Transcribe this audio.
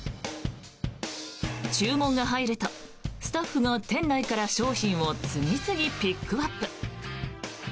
注文が入るとスタッフが店内から商品を次々ピックアップ。